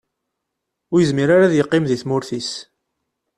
Ur yezmir ara ad yeqqim deg tmurt-is.